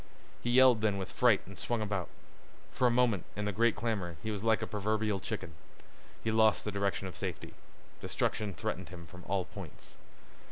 He yelled then with fright and swung about. For a moment, in the great clamor, he was like a proverbial chicken. He lost the direction of safety. Destruction threatened him from all points.